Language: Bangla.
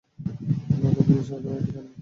তাদের কোনো সরকারি আইডি কার্ড নেই।